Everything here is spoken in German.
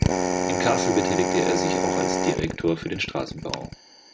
In Kassel betätigte er sich auch als Direktor für den Straßenbau.